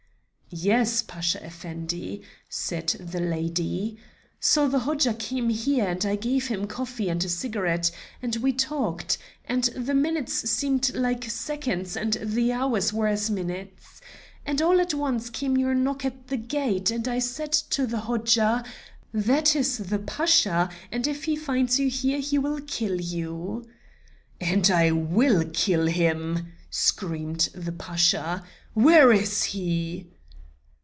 "Yes, Pasha Effendi," said the lady. "So the Hodja came here, and I gave him coffee and a cigarette, and we talked, and the minutes seemed like seconds, and the hours were as minutes. All at once came your knock at the gate, and I said to the Hodja, 'That is the Pasha; and if he finds you here, he will kill you.'" "And I will kill him," screamed the Pasha, "where is he?"